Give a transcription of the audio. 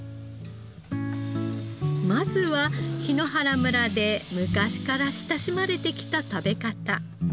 まずは檜原村で昔から親しまれてきた食べ方。